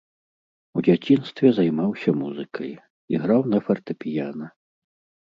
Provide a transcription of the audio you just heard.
У дзяцінстве займаўся музыкай, іграў на фартэпіяна.